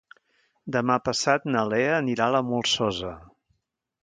Demà passat na Lea anirà a la Molsosa.